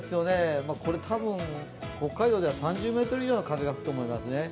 多分、北海道では３０メートル以上の風が吹くと思いますね。